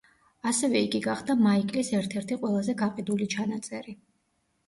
ასევე იგი გახდა მაიკლის ერთ-ერთი ყველაზე გაყიდული ჩანაწერი.